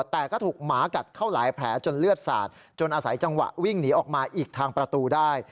แต่ก็ถูกหมากัดเข้าหลายแผลจนเลือดสาดจนอาศัยจังหวะวิ่งหนีออกมาอีกทางประตูได้